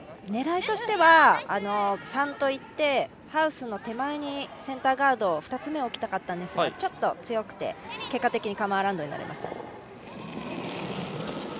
狙いとしては、３といってハウスの手前にセンターガードの２つ目を置きたかったんですがちょっと強くて、結果的にカムアラウンドになりました。